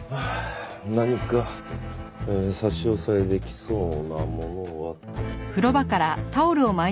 何か差し押さえできそうなものは。